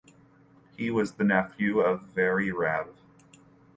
He was the nephew of Very Rev.